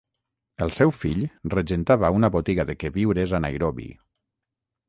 El seu fill regentava una botiga de queviures a Nairobi.